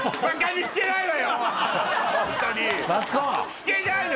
してないの。